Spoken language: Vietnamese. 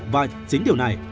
và chính điều này